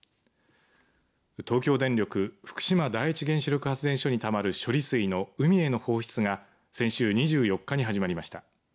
東京電力福島第一原子力発電所にたまる処理水の海への放出が先週２４日に始まりました。